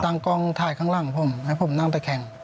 ตั้งกล้องไทยข้างล่างผมให้ผมนั่งแต่แข่ง